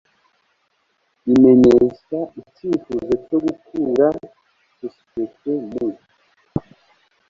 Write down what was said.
imenyesha icyifuzo cyo gukura isosiyete mu